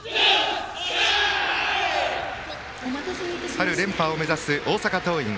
春連覇を目指す大阪桐蔭。